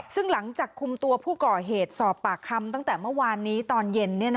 ซึ่งหลังจากคุมตัวผู้ก่อเหตุสอบปากคำตั้งแต่เมื่อวานนี้ตอนเย็น